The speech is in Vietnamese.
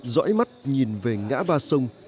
dõi mắt nhìn về ngã ba sông